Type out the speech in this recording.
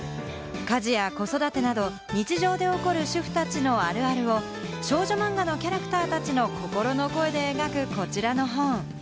家事や子育てなど日常で起こる主婦たちのあるあるを少女漫画のキャラクターたちの心の声で描くこちらの本。